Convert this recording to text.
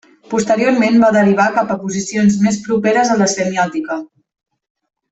Posteriorment va derivar cap a posicions més properes a la semiòtica.